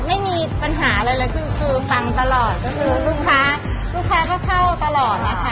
ไม่มีปัญหาอะไรเลยคือคือฟังตลอดก็คือลูกค้าลูกค้าก็เข้าตลอดนะคะ